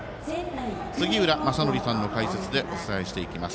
杉浦正則さんの解説でお伝えしていきます